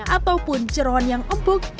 ataupun ceron yang empuk